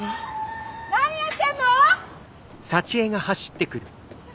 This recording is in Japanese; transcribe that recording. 何やってんの！？